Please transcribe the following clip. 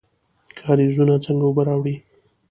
کاریزونه څنګه اوبه راوړي؟